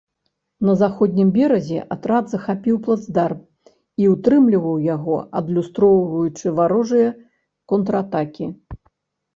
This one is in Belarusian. На заходнім беразе атрад захапіў плацдарм і ўтрымліваў яго, адлюстроўваючы варожыя контратакі.